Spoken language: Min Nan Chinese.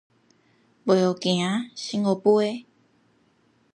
未學走，先學飛